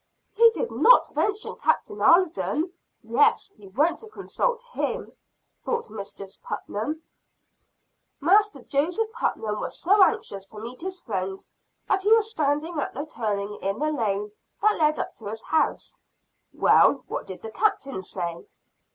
"He did not mention Captain Alden. Yes, he went to consult him," thought Mistress Putnam. Master Joseph Putnam was so anxious to meet his friend, that he was standing at the turning in the lane that led up to his house. "Well, what did the Captain say?"